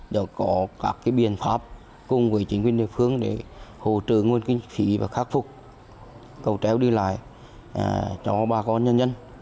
đã có các biện pháp cùng với chính quyền địa phương để hỗ trợ nguồn kinh phí và khắc phục cầu treo đi lại cho bà con nhân dân